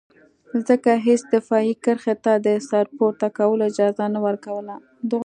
ځکه هېڅ دفاعي کرښې ته د سر پورته کولو اجازه نه ورکوي.